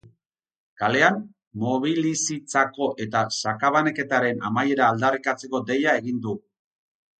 Kalean mobilizitzako eta sakabanaketaren amaiera aldarrikatzeko deia egin du.